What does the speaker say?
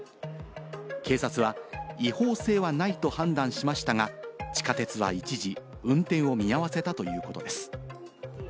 警察は違法性はないと判断しましたが、地下鉄は一時、運転を見合わせたということです。